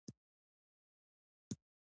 د لوګي د تنفس لپاره باید څه واخلم؟